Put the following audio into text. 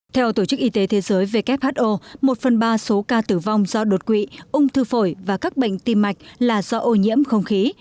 theo tổ chức y tế thế giới who một phần ba số ca tử vong do đột quỵ ung thư phổi và các bệnh tim mạch là do ô nhiễm không khí